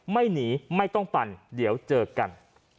ไม่หนีไม่ต้องปั่นเดี๋ยวเจอกัน